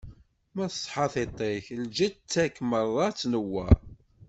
Ma tṣeḥḥa tiṭ-ik, lǧetta-k meṛṛa ad tnewweṛ.